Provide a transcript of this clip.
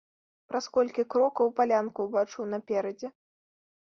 Праз колькі крокаў палянку ўбачыў наперадзе.